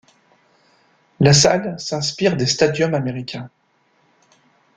La salle s'inspire des stadiums américains.